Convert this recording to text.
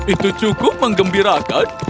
itu cukup mengembirakan